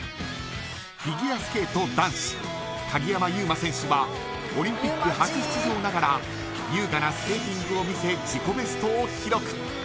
フィギュアスケート男子鍵山優真選手はオリンピック初出場ながら優雅なスケーティングを見せ自己ベストを記録。